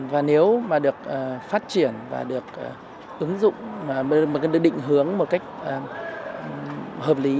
và nếu mà được phát triển và được ứng dụng và được định hướng một cách hợp lý